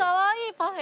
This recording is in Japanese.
パフェ。